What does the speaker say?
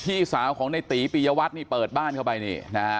พี่สาวของในตีปียวัฒน์เปิดบ้านเข้าไปนี่